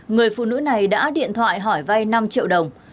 người phụ nữ này đã điện thoại hỏi vay năm triệu đồng